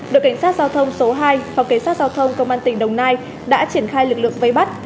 đội cảnh sát giao thông số hai phòng cảnh sát giao thông công an tỉnh đồng nai đã triển khai lực lượng vây bắt